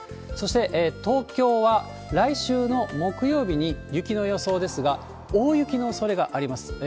そして東京は、来週の木曜日に雪の予想ですが、大雪のおそれがあります。